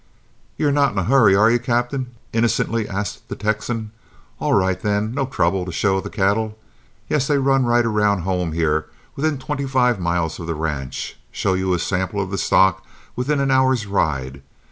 "You're not in a hurry, are you, captain?" innocently asked the Texan. "All right, then; no trouble to show the cattle. Yes, they run right around home here within twenty five miles of the ranch. Show you a sample of the stock within an hour's ride.